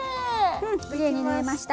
うんきれいに縫えました。